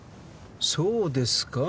そうですか？